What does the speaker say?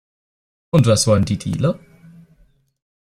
Und was wollen die Dealer?